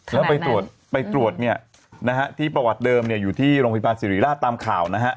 แล้วไปตรวจที่ประวัติเดิมอยู่ที่โรงพยาบาลสิริราชตามข่าวนะฮะ